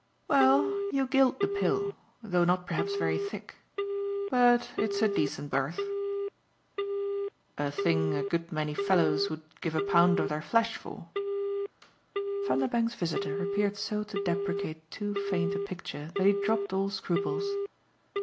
"Well, you gild the pill though not perhaps very thick. But it's a decent berth." "A thing a good many fellows would give a pound of their flesh for?" Vanderbank's visitor appeared so to deprecate too faint a picture that he dropped all scruples.